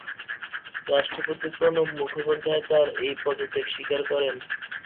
রাষ্ট্রপতি প্রণব মুখোপাধ্যায় তার এই পদত্যাগ স্বীকার করেন।